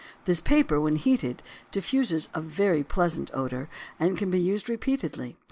This paper, when heated, diffuses a very pleasant odor and can be used repeatedly.